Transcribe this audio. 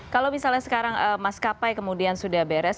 kalau misalnya sekarang maskapai kemudian sudah beres